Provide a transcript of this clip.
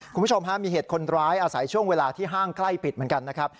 คุณผู้ชมฮะมีเหตุคนร้ายอาศัยช่วงเวลาที่ห้างใกล้ปิดเหมือนกันนะครับ